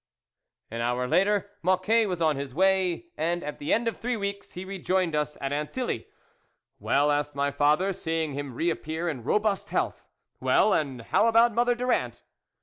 An hour later Mocquet was on his way, and, at the end of three weeks, he rejoined us at Antilly. " Well," asked my father, seeing him reappear in robust health, " well, and how about Mother Durand